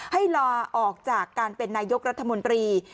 ให้ลาออกจากการเป็นนายกรัฐมนตรี